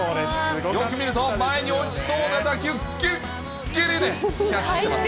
よく見ると前に落ちそうな打球、ぎりぎりでキャッチしてます。